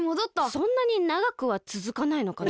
そんなにながくはつづかないのかな。